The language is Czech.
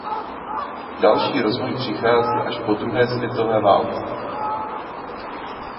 Další rozvoj přichází až po druhé světové válce.